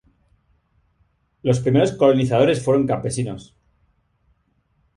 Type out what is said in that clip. Los primeros colonizadores fueron campesinos.